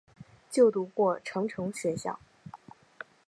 就读过成城学校。